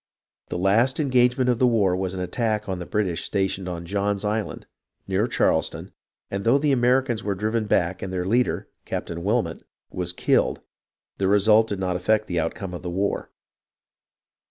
The last engagement of the war was an attack on the British stationed on John's Island, near Charleston, and though the Americans were driven back and their leader. Captain Wilmot, was killed, the result did not affect the outcome of the war.